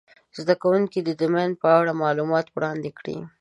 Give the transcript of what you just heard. زده کوونکي دې د ماین په اړه معلومات وړاندي کړي.